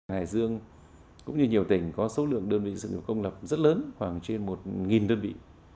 hải dương cũng như nhiều tỉnh có số lượng đơn vị sự nghiệp công lập rất lớn khoảng trên một đơn vị